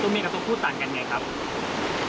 ตัวเมียกับตัวผู้ต่างกันอย่างไรครับ